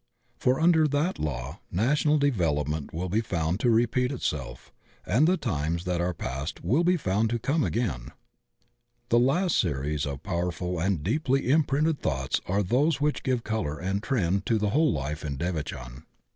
For imder that law national development will be found to repeat itself, and the times that are past will be found to come again. The last series of powerful and deeply imprinted thoughts are those which give color and trend to the whole life in devachan.